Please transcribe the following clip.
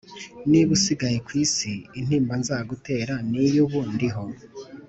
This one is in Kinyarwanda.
Niba usigaye ku isi Intimba nzagutera Niyo ubu ndiho